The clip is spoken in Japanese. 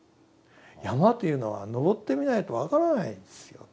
「山というのは登ってみないと分からないんですよ。